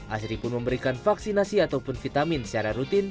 asri pun memberikan vaksinasi ataupun vitamin secara rutin